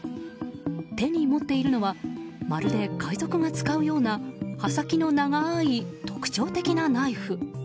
手に持っているのはまるで海賊が使うような刃先の長い特徴的なナイフ。